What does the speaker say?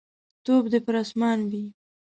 توف دي پر اسمان وي.